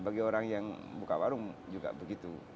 bagi orang yang buka warung juga begitu